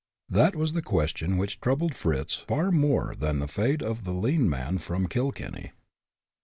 That was the question which troubled Fritz far more than the fate of the lean man from Kilkenny.